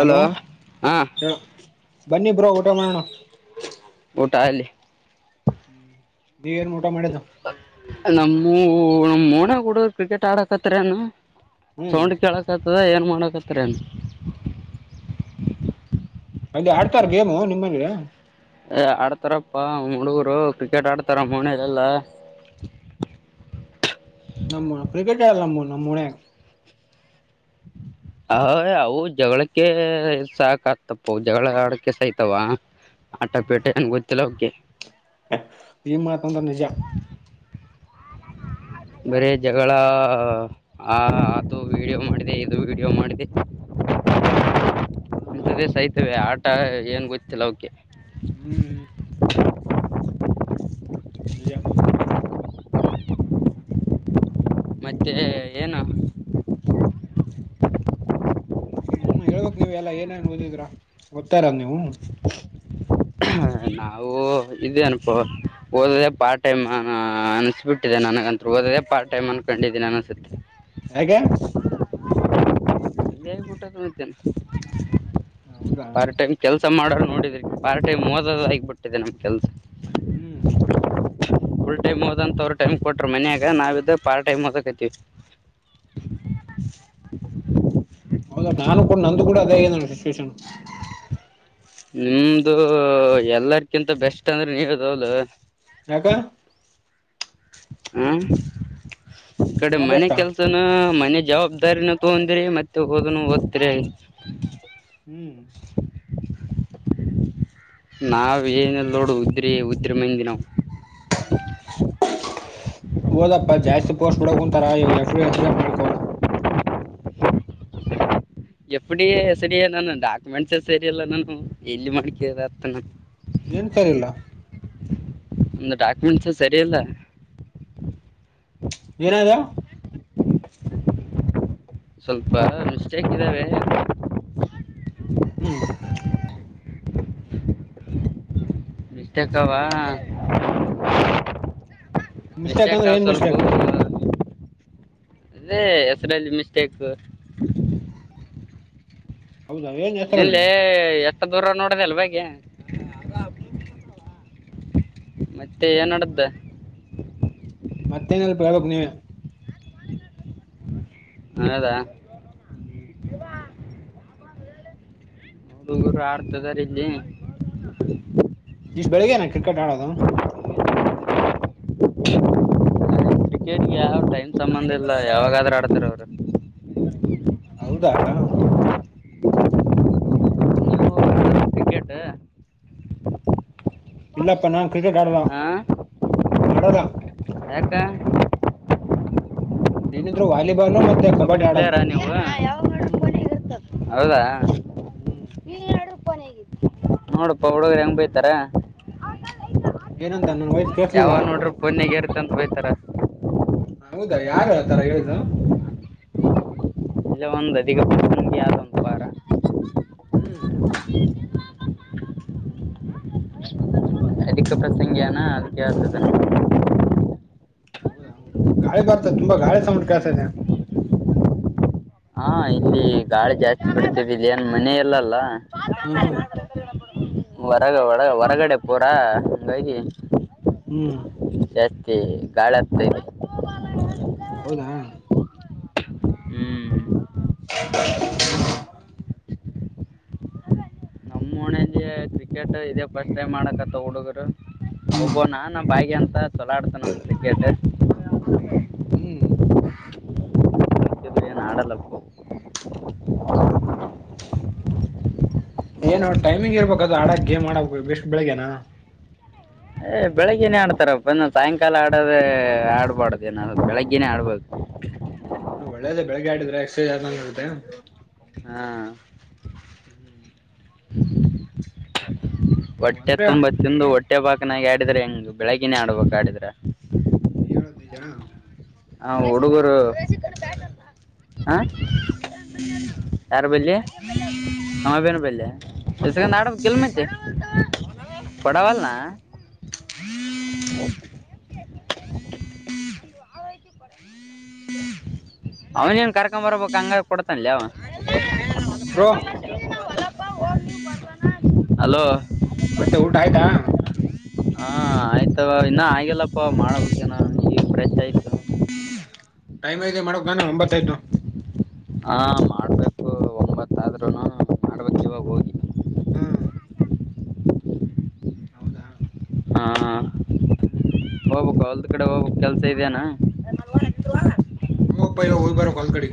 Hello ಹಾ ಹೇಳು ಬನ್ನಿ ಬ್ರೋ ಊಟ ಮಾಡಣ. [unintelligible] [unintelligible] ಮಾಡಿದ್ದು ನಮ್ಮುವು. ನಮ್ಮ ಓಣಗ್ ಹುಡುಗ್ರು ಕ್ರಿಕೆಟ್ ಆಡಕತ್ತರೇನು. ಹ್ಮ್ ಸೌಂಡ್ ಕೆಳಕತ್ತ. ಅದ ಏನು ಮಾಡಕತ್ತರ ಏನು. ಅದೆ ಆಡ್ತಾರ ಗೇಮು ನಿಮ್ಮಲ್ಲಿ. ಏ ಆಡ್ತಾರಪ್ಪಾ ನಮ್ ಹಡುಗರು ಕ್ರಿಕೆಟ್ ಆಡ್ತಾರ ನಮ್ ಒನ್ಯಾಗ್ ಎಲ್ಲಾ. ನಮ್ಮ ಕ್ರಿಕೆಟ್ ಇಲ್ಲಾ ನಮ್ಮ ನಮ್ಮ ಒನ್ಯಾಗ್. ಅ ಅವು ಜಗಳಕ್ಕೆ ಸಾಕ ಆತಪ್ಪ ಜಗಳ ಆಡಕ ಸಾಯತಾವ ಆಟ ಪೇಟೆ ಏನ್ ಗೊತ್ತಿಲ್ಲ ಅವಿಕ್ಕೆ. ಈ ಮಾತಂದ್ರ ನಿಜ ಬರೇ ಜಗಳ ಆ ಆತು ವಿಡಿಯೋ ಮಾಡಿದೆ ಇದು ವಿಡಿಯೋ ಮಾಡಿದೆ. ಹ್ಮ್ ಇಂತದೆ ಹೌದು ಸಾಯತವೆ ಆ ಟಾಯ್ ಏನ್ ಗೊತ್ತಿಲ್ಲ ಅವಕ್ಕೆ. ಹ್ಮ್ [unintelligible] ಮತ್ತೆ ಏನು. ಹ್ಮ್ ಹೇಳ್ಬೇಕ್ ನೀವ್ ಎಲ್ಲಾ ಏನೇನ್ ಓದಿದ್ರಾ ಓದ್ತ ಇರ ನೀವು. ಹ ನಾವು ಇದೇನ್ ಪ ಓದೋದೆ ಪಾರ್ಟ್ ಟೈಮ್ ಅ ಅನ್ಸಬಿಟ್ಟಿದೆ ನನಗಂತರು ಓದೋದೇ ಪಾರ್ಟ್ ಟೈಮ್ ಅನ್ಕೊಂಡಿದ್ದೀನಿ ಅನ್ಸುತ್ತೆ. ಯಾಕೆ. ತ [unintelligible] ಹೌದಾ ಪಾರ್ಟ್ ಟೈಮ್ ಕೆಲ್ಸ ಮಾಡರ್ ನೋಡಿದ್ ಹ [unintelligible] ಪಾರ್ಟ್ ಟೖಮ್ಮೋದದ್ ಆಗ್ಬಿಟ್ಟಿದೆ ನಮ್ ಕೆಲ್ಸ. ಹ್ಮ್ ಫುಲ್ ಟೈಮ್ ಓದಂತ ಅವ್ರು ಟೈಮ್ ಕೊಟ್ರು ಮನ್ಯಾಗ ನಾವಿದ ಪಾರ್ಟ್ ಟೈಮ್ ಓದಕತ್ತೀವಿ. ಹೌದ ನಾನು ಕೂಡ ನಂದು ಕೂಡ ಆಗಿದ್ ನೋಡ್ ಸಿಚುವೇಷನ್ [unintelligible] ನಿಮ್ದು ಎಲ್ಲರ್ಕಿಂತ ಬೆಸ್ಟ್ ಅಂದ್ರೆ [unintelligible] ಯಾಕ ಹ್ಮ್ ಈ ಕಡೆ ನಾವ್ ಮನೆ ಬೆಸ್ಟಾ ಕೆಲ್ಸನಾ ಮ ಮನಿ ಜವಾಬ್ದಾರಿನ ತೊಂದ್ರಿ ಮತ್ತೆ ಓದನು ಓತ್ರಿ. ಹ್ಮ್ ನಾ ಏನಲ್ಲೋಡು ಉತ್ರಿ ಉತ್ರಿ ಮಂದಿ ನಾವು. [inaudible] ಓದಪ್ಪಾ ಜಾಸ್ತಿ ಪೋಸ್ಟ್ ಬಿಡಕುಂತಾರ ಇವಾಗ ಎಫ್ ಡಿ ಎಕ್ಸಾಮ್ ಮಾಡ್ಕೊ. ಎಪ್ ಡಿ ಎಸ್ ಡಿ ನನ್ನ ಡಾಕ್ಯುಮೆಂಟ್ಸೇ ಸರಿಯಲ್ಲ ನಾನು ಎಲ್ಲಿ ಮಾಡ್ಕೆತನ. ಏನ್ ಸರಿ ಇಲ್ಲ? ಒಂದು ಡಾಕ್ಯುಮೆಂಟ್ಸ್ ಸರಿಯಲ್ಲ. ಏನಾಗ್ಯದ? ಸ್ವಲ್ಪ ಮಿಸ್ಟೇಕ್ ಇದ್ದಾವೆ. ಹ್ಮ್ ಮಿಸ್ಟೇಕ್ಕವಾ. ಮಿಸ್ಟೇಕ್ ಅಂದ್ರೆ ಆವ್ ಏನ್ ಸ್ವಲ್ಪ ಮಿಸ್ಟೇಕ್ [unintelligible] ಅದೇ ಹೆಸರಲ್ಲಿ ಮಿಸ್ಟೇಕು. ಹೌದಾ ಏನ್ ಹೆಸರಲ್ಲ ಇಲ್ಲೇ ಎ ಸ್ವಲ್ಪ್ದೂರ ನೋಡ್ದ ಅಲ್ ಬಗೆ ಮತ್ತೆ ಏನಡ್ದ ಮತ್ತೇನಿಲ್ಪ ಹೇಳ್ಬೇಕ್ ನೀವೆ. ಹೌದಾ? ಹ್ಮ್ ಹುಡುಗ್ರು ಆಡ್ತದಾರ ಇಲ್ಲಿ. ಇಷ್ಟ್ ಬೆಳ್ಗೇನ ಕ್ರಿಕೆಟ್ ಆಡೋದು. ಕ್ರಿಕೆಟ್ಗೆ ಯಾವ್ ಟೈಮ್ ಸಂಬಂಧ್ ಇಲ್ಲ ಯಾವಾಗಾದ್ರೂ ಆಡ್ತಾರ ಅವ್ರು. ಹೌದಾ? ಹ್ಮ್ ಕ್ರಿಕೆಟ್ಟ ಇಲ್ಲಪ್ಪ ನಾ ಕ್ರಿಕೆಟ್ ಆಡಲ್ಲಾ. ಆಡಲ್ಲ. ಯಾಕ. ಏನಿದ್ರು ವಾಲಿಬಾಲು ಮತ್ತೆ. ಕಬಡ್ಡಿ ಪ್ಲೇಯರಾ ನೀವು. ಹ್ಮ್ ಹೌದಾ ಹ್ಮ್ ಈಗ ಎರಡು ರೂಪಾಯನ್ ಹೇಗಿದೆ. ನೋಡಪ್ಪಾ ಹುಡುಗರು ಹೆಂಗ ಬೈತಾರ. ಏನಂದ್. ಯಾವಗ್ ನೋಡ್ರಿ ಫೋನ್ನೆಗ್ ಇರ್ ಅಂತ ಬಯ್ತಾರ. ಹೌದಾ ಯಾರು ಆ ತರ ಹೇಳಿದ್ದು. ಇಲ್ಲೇ ಒಂದ್ ಅಧಿಕ ಪ್ರಸಂಗಿ ಆದ ಒಂದ್ ವಾರ. ಹ್ಮ್ [unintelligible] ಅಧಿಕ ಪ್ರಸಂಗಿಯನಾ ಅದಕ್ಕೆ ಆತದ [inaudible] ಹೌದಾ ಗಾಳಿ ಬರ್ತ ತುಂಬಾ ಗಾಳಿ ಸೌಂಡ್ ಕೇಳ್ಸೈದೆ. ಹಾ ಇಲ್ಲಿ ಗಾಳಿ ಜಾಸ್ತಿ ಬಿಡತವಿ ಇಲ್ಲಿ ಏನ್ ಮನೆ ಇಲ್ಲಲ್ಲ. ಹ್ಮ ಹೊರಗ ಒಳಗ ಹೊರಗಡೆ ಪೂರಾ ಹಂಗಾಗಿ. ಹ್ಮ್ ಏ ಗಾಳೆ ಆಗ್ತೇ ಇಲ್ಲಿ. ಹೌದಾ. ಹ್ಮ್ [inaudible] ನಮ್ಮೊಣಿಲ್ಲಿ ಕ್ರಿಕೆಟ್ ಇದೆ ಫಸ್ಟ್ ಟೈಮ್ ಮಾಡಕತ್ತ ಹುಡುಗುರು. ಹ್ಮ್ ಒಬ್ಬೋನ [unintelligible] ಅಂತ. ಚೊಲಾಡ್ತ ನಮ್ಮ್ ಕ್ರಿಕೆಟ್. ಹ್ಮ್ ತಪ್ಪ್ ಗಿಪ್ಪೆನ್ ಅಡಲ್ಲಪ್ಪೋ. ಹೌದ. ಏನು ಟೈಮಿಂಗ್ ಇರ್ಬೇಕ ಅದು ಆಡಕ್ ಗೇಮ್ಬೇಕು ಬೆಸ್ಟ್ ಬೆಳಿಗ್ಗೆನಾ. ಏ ಬೆಳಗ್ಗೆನೇ ಆಡ್ತಾರಪ್ಪ ನ ಸಾಯಂಕಾಲ ಆಡೋದೆ ಆಡ್ಬಾರಡ್ದೇನ ಬೆಳಗ್ಗನೇ ಆಡ್ಬೇಕು. ಹ್ಮ್ ಬಿಡು ಒಳ್ಳೇದೇ ಬೆಳಗ್ಗೆ ಆಡಿದ್ರೆ ಎಕ್ಸರ್ಸೈಜ್ ಆದಂಗ ಆಗುತ್ತೆ ಹಾ ಹ್ಮ್ [inaudible] ವಟ್ಟೆ ಅಂದ್ರೆ ತುಂಬ ತಿಂದು ವಟ್ಟೆ. ಹೊಟ್ಟೆ ಬಾಕನಾಗಿ ಆಡಿದ್ರೆ ಹೆಂಗ ಬೆಳಗ್ಗಿನೇ ಆಡ್ಬೇಕು ಆಡಿದ್ರೆ. ಹೇಳೋದು ನಿಜ ಹಾ ಹುಡುಗುರು. ಹ ಯಾರ ಬಲ್ಲಿ [unintelligible] ಇಸ್ಕಂಡ್ ಆಡಬೇಕಿಲ್ ಮಂತೆ ಕೊಡಾವಲ್ನಾ. [inaudible] [inaudible] ಅವನೇನ್ ಕರ್ಕೊಂಬರಬಕ್ ಹಂಗರ ಕೊಡ್ತನ್ ಲೆ ಅವ. ಬ್ರೋ [unintelligible] ಹಲೋ ಮತ್ತೆ ಊಟ ಆಯ್ತಾ. ಹಾ ಆಯ್ತವ ಇನ್ನ ಆಗಿಲ್ಲಪ್ಪ ಮಾಡಬೇಕೇನ ಈಗ ಫ್ರೆಶ್ ಆಯ್ತ. [unintelligible] ಮಾಡಬೇಕನ್ ಒಂಬತ್ತು [unintelligible] ಹಾ ಮಾಡ್ಬೇಕು ಒಂಬತ್ತಾದ್ರುನು ಮಾಡ್ಬೇಕು ಇವಾಗ ಹೋಗಿ. ಹ್ಮ್ ಹೌದಾ ಹಾ ಹ್ಮ್ ಹೋಬಕು ಹೊಲ್ದ ಕಡೆ ಹೋಬಕು ಕೆಲ್ಸ ಇದೆ ಏನ್ [unintelligible] [unintelligible] ಕಡಿ.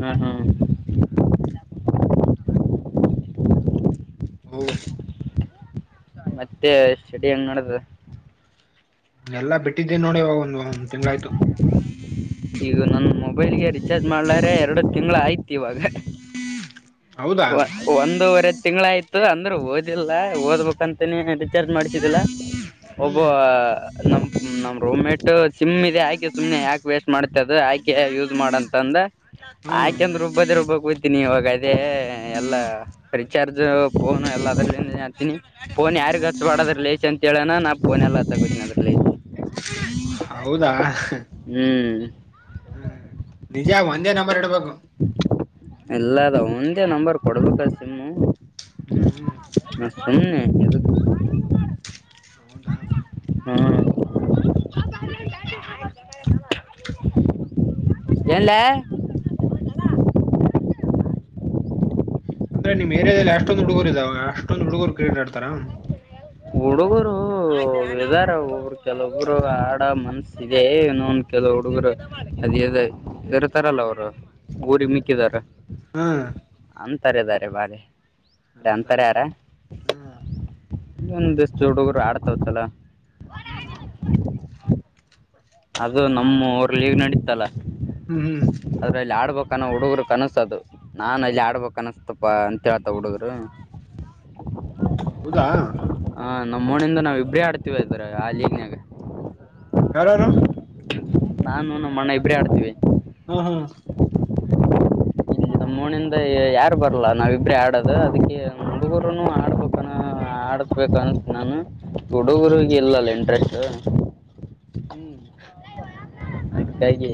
ಹಾ ಹಾ ಹ್ಮ್ [inaudible] [unintelligible] ಮತ್ತೆ ಸ್ಟಡಿ ಹೆಂಗ್ ನಡದದ. ಎಲ್ಲಾ ಬಿಟ್ಟಿದ್ದೇ ನೋಡಿ ಇವಾಗ ಒಂದು ಒಂದ್ ತಿಂಗ್ಳಾಯ್ತು. ಈಗ ನನ್ ಮೊಬೈಲ್ಗೆ ರಿಚಾರ್ಜ್ ಮಾಡ್ಲಾರ ಎರಡು ತಿಂಗಳ ಆಯ್ತು ಇವಾಗ. ಹೌದಾ ಒಂದೂವರೆ ತಿಂಗಳ ಆಯ್ತು. ದ ಅಂದ್ರೆ ಓದಿಲ್ಲ ಓದ್ಬೇಕಂತನೇ ರಿಚಾರ್ಜ್ ಮಾಡ್ಸಿದ್ದಿಲ್ಲ. ಒಬ್ಬ. ಹ್ಮ್ ಇಲ್ಲ ನಮ್ ನಮ ರೂಮ ಮೇಟ್ ಸಿಮ್ ಇದೆ ಯಾಕೆ ಸುಮ್ನೆ ಯಾಕೆ ವೇಸ್. ಮಾಡ್ತದು ಆಕೆ ಯೂಸ್ ಮಾಡಂತ ಅಂದ ಹ್ಮ್ ಆಕೆ ಅಂದ ರುಬ್ಬದೇ ರುಬ್ಬ ಕಯ್ತೀನಿ ಇವಾಗ ಅದೇ ಎಲ್ಲಾ ರಿಚಾರ್ಜ್ ಫೋನ್ ಎಲ್ಲ ಅದ್ರತೀನಿ ಫೋನ್ ಯಾರಿಗ ಹಚ್ಚಬಾಡ ಅದ್ರಲ್ಲಿ ಅಂತ ಹೇಳ್ಯಾನ್ ನಾ ಫೋನ್ ಎಲ್ಲ ಹಚ್ಚಕತೀನಿ ಅದ್ರಲ್ಲಿ. ಹೌದಾ ಹ್ಮ್ ನಿಜ ಒಂದೇ ನಂಬರ್ ಇಡಬೇಕು. ಎಲ್ಲದ ಒಂದೇ ನಂಬರ್ ಕೊಡ್ಬೇಕ ಸಿಮ್ಮು. ಹ್ಮ್ ಹ್ಮ್ [unintelligible] ಹೌದಾ [unintelligible] ಏನ್ಲೇ ಅಂದ್ರೆ ನಿಮ್ ಏರಿಯಾದಲ್ಲಿ ಅಷ್ಟೊಂದು ಹುಡುಗುರು ಇದಾವ ಅಷ್ಟೊಂದು ಹುಡುಗುರು ಕ್ರಿಯೇಟಾಡ್ತಾರ. ಹುಡುಗುರು ಇದ್ದಾರ ಒರು ಕೆಲೊಬ್ಬರು ಆಡ ಮನ್ಸ ಇದೆ ಇನ್ನೊನ್ ಕೆಲವ ಹುಡುಗರು ಅದದ ಇರ್ತಾರಲ್ಲ ಅವರು ಊರಿ ಮಿಕ್ಕಿದಾರು. ಹ್ಮ್ ಅಂತಾನರಿದಾರೆ ಬಾರೆ. ಹೌದಾ ಹ್ಮ್ ಒಂದಿಷ್ಟ್ ಹುಡ್ಗುರು ಆಡ್ತಾವ್ ಚಲೊ. ಹ್ಮ್ ಅದು ನಮ್ಮೂರ್ಲೀ ನಡೀತಲ್ಲ. ಹ್ಮ್ ಹ್ಮ್ ಅದ್ರಲ್ಲಿ ಆಡ್ಬೇಕ್ ಕನ ಹುಡುಗ್ರು ಕನಸದು ನಾನ್ ಅಲ್ಲಿ ಆಡ್ಬೇಕನಸ್ತಪ ಅಂತೇಳ್ತ ಹುಡುಗ್ರು ಹೌದಾ ಹಾ ನಮ್ಮೋಣಿಂದ ನಾವ್ ಇಬ್ರೇ ಆಡ್ತೀವ ಇದ್ದರೆ ಆಲಿನ್ಯಾಗ. ಯಾರವ್ನು? ನಾನು ನಮ್ಮಣ್ಣ ಇಬ್ರೇ ಆಡ್ತೀವಿ. ಹ್ಮ ಹ್ಮ ನಮ್ಮೋಣಿಂದ ಯಾರು ಬರಲ್ಲಾ ನಾವಿಬ್ರೆ ಆಡೋದು ಅದಕ್ಕೆ ಹುಡುಗುರುನು ಆಡ್ಬೇಕನ ಆಡಬೇಕನ್ತ್ ನಾನು. ಹುಡುಗರಿಗಿಲ್ಲಲ ಇಂಟ್ರೆಸ್ಟ್. ಹಾ ಹ್ಮ್ ಅದಕ್ಕಾಗಿ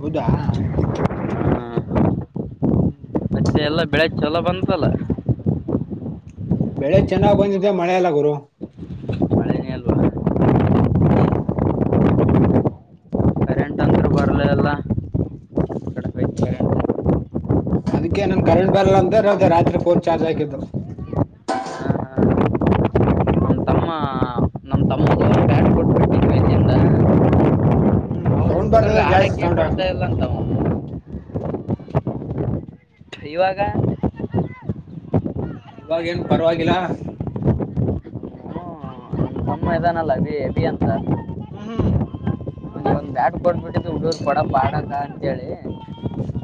ಹೌದಾ ಆ, ಹ್ಮ್ [inaudible] ಮತ್ತೆ ಎಲ್ಲ ಬೆಳೆಗ್ ಛಲೋ ಬಂತಲ್ಲ. ಬೆಳೆ ಚೆನ್ನಾಗ್ ಬಂದಿದೆ ಮಳೆ ಅಲ್ಲ ಗುರು. ಮಳೆಲ್ಲ [unintelligible] ಹ್ಮ್ ಬರ್ಲೇ ಇಲ್ಲ. ಹ್ಮ ಕಡಿಮೆ ಐತೆ ಕರೆಂಟ್ ಅದಕ್ಕೆ ನನ್ ಕರೆಂಟ್ ಬರಲ್ಲ ಅಂದ ಅರ್ಧ ರಾತ್ರಿ ಫೋನ್ ಚಾರ್ಜ್ ಹಾಕಿದ್ದು. ನಮ್ಮ ತಮ್ಮ ನಮ್ಮ ತಮ್ಮಗೂ ಬ್ಯಾಟ್ ಕೊಟ್ಬಿಟ್ಟು ಮೇಲಿಂದ ಹ್ಮ್ ಅವ ಸೌಂಡ್ ಬರತದ ಹುಡುಗರಿಗೆ ಜಾಸ್ತಿ ಆಡಕ್ಕೆ ಸೌಂಡ. ಕೊಡ್ತಾ ಇಲ್ಲ ಅಂತವ ಇವಾಗ? ಇವಾಗೇನ್ ಪರವಾಗಿಲ್ಲ. ಮ್ಮ ಇದಾನಲ್ಲ ಬಿ ಎ ಬಿ ಅಂತ. ಹ್ಮ್ ಹ್ಮ್ ಒಂದೆರಡು ಕೊಟ್ಬಿಟ್ ಹುಡ್ರು ಪಡ ಪಾಡಂಗ್ ಕೇಳಿ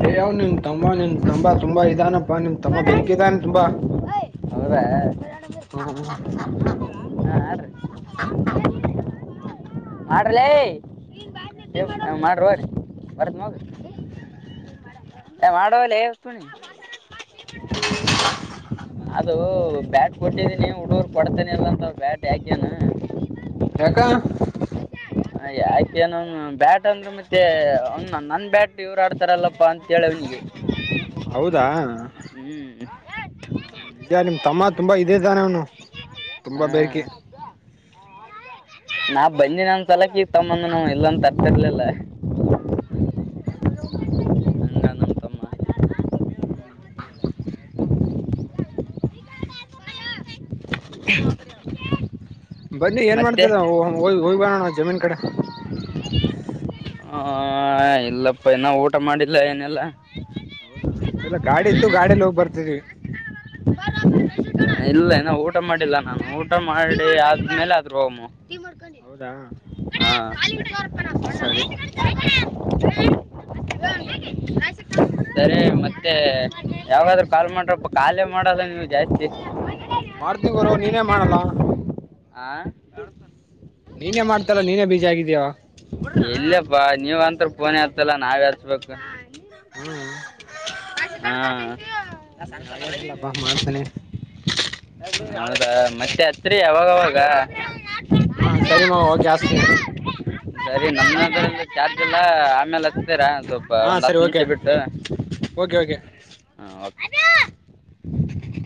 ಏವ್ ನಿನ್ ತಮ್ಮ ನಿನ್ ತಂಬಾ ತುಂಬಾ ಇದಾನಪ್ಪಾ ನಿನ್ ತಮ್ಮ ಬೆರ್ಕೆ ಇದಾನ ತುಂಬಾ. ಅವ್ರ ಹಾ ಹಾ, ಆಡ್ರಿ ಆಡ್ರಲೇ. [unintelligible] ಮಾಡ್ರಿ ಹೋಗ್ರಿ. [unintelligible] ಏ ಮಾಡೋಗಲೇ. ನ [inaudible] ಅದು ಬ್ಯಾಟ್ ಕೊಟ್ಟಿದೀನಿ ಹುಡ್ಗುರು ಕೊಡ್ತನಿ ಎಲ್ಲಂತ ಬ್ಯಾಟ್ ಯಾಕೆನು ಏನ್ಕ? ಐತೇನು ಬ್ಯಾಟ್ ಅಂದ್ರೆ ಮತ್ತೆ ಅವ್ನು ನನ್ ಬ್ಯಾಟ್ ಇವ್ರು ಆಡ್ತಾರಲ್ಲಪ್ಪ ಅಂತೇಳಿ ಅವನಿಗೆ ಹೌದಾ ಹ್ಮ್ ಯಾರ್ ನಿಮ್ ತಮ್ಮ ತುಂಬಾ ಇದ್ ಇದಾನೆ ಅವನು. ಆ, ತುಂಬಾ ಬೇಕಿ. ಬಂಜಿನಾ ಸಲಕಿ ಈ ತೊಂಬದನಾವ ಇಲ್ಲಂದ ತರ್ತಿರ್ಲಿಲ್ಲ. ಹ್ಮ್ [unintelligible] ಹಂಗ ನಮ್ಮ ತಮ್ಮ ಹ್ಮ್ [inaudible] [inaudible] ಬನ್ನಿ ಏನ್ ಮತ್ತೆ ಮಾಡ್ತದ್ ಹೋಯಿ ಹೋಯ್ಬರಣ. ಆ ಜಮೀನ್ ಕಡೆ. [inaudible] ಹ ಇಲ್ಲಪ್ಪ ಇನ್ನ ಊಟ ಮಾಡಿಲ್ಲ ಏನಿಲ್ಲಾ. ಹೌದಾ ಎಲ್ಲ ಗಾಡಿ ಇತ್ತು ಗಾಡಿಲ್ಲಿ ಹೋಗ್ ಬರ್ತಿದ್ವಿ. ಇಲ್ಲ ಇನ್ನ ಊಟ ಮಾಡಿಲ್ಲ ನಾನು ಊಟ ಮಾಡಿ ಆದ್ಮೇಲೆ ಆದ್ರು ಹೋಗುಮ್ಮ. ಹೌದಾ ಹಾನ್ ಹ್ಮ್ ಸರಿ [unintelligible] ಅ [inaudible] ಸರಿ ಮತ್ತೆ ಯಾವಾಗದ್ರೂ ಕಾಲ್ ಮಾಡ್ರಪ್ಪ ಕಾಲೇ ಮಾಡಲ್ಲ ನೀವು ಜಾಸ್ತಿ. ಮಾಡ್ತೀನ್ ಗುರು ನೀನೇ ಮಾಡಲ್ಲ. ಹಾ ನೀನೇ ಮಾಡ್ತಿಲ್ಲ ನೀನೇ ಬೀಜ ಆಗಿದ್ಯಾ. ಫೋನೇ ಅತ್ತಲ್ಲ ನಾವೇ ಹಚ್ಬೇಕು. ಹೂಂ ಹಾ ನೀ ಹಾಗೇನಿಲ್ಲ ಬಾ. ಮಾಡ್ತೇನೆ. ಆಮೇಲೆ ಮತ್ತೆ ಹಚ್ರಿ ಅವಾವಗವಾಗ. ಹಾ ಸರಿ ಮಾವ ಓಕೆ ಹಾಸ್ತೀನಿ ಸರಿ ನಮ್ಮದ್ರಲ್ಲಿ ಚಾರ್ಜ್ ಎಲ್ಲ ಆಮೇಲೆ ಹಚ್ಚ್ತೀರಾ? ಸ್ವಲ್ಪ ಹಾ ಒಂದ್ ಸರಿ ಹತ್ತು ಓಕೆ ನಿಮಿಷ ಬಿಟ್ಟು ಓಕೆ ಓಕೆ ಆ ಓಕೆ. [inaudible]